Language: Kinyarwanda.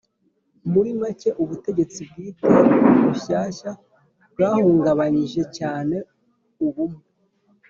Muri make ubutegetsi bwite bushyashya bwahungabanyije cyane ubumwe